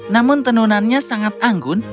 namun tenunannya sangat anggun